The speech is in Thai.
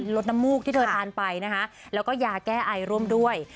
ลดน้ำมูกที่เธอทานไปนะคะแล้วก็ยาแก้ไอร่วมด้วย